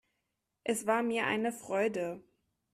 Es war mir eine Freude.